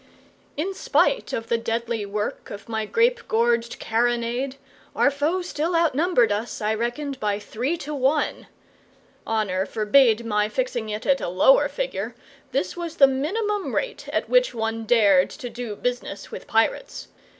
In spite of the deadly work of my grape gorged carronade, our foe still outnumbered us, I reckoned, by three to one. Honour forbade my fixing it at a lower figure this was the minimum rate at which one dared to do business with pirates.